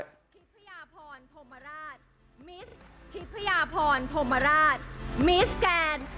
ค่ะประเด็นดราม่าจริงค่ะ